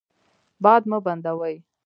باد مه بندوئ.